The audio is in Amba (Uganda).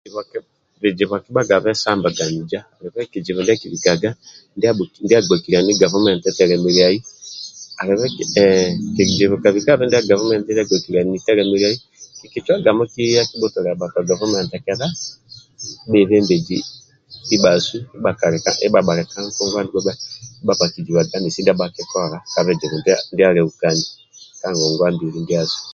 Bizibu akibhagabe sa mbaganiza alibe kizibu ndia akibikaga ndia agbokiliani gavumenti telemiliai alibe hee kuzibu kabikabe ndia gavumenti agbokiliani telemiliai kikicuagaku kiya kibhutolia bhatua gavumenti kedha bhebembezi ndibhasu ndibha bhakali bhali ka ntebe ndibha bhakijibaga nesi ndia bhakikola ka bizibu ndiasu ndia aleukani ka ngongwa mbili ndiasu